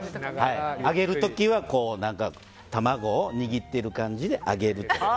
上げる時は卵を握っている感じで上げるとか。